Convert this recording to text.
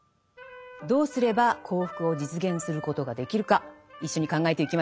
どうすれば幸福を実現することができるか一緒に考えてゆきましょう。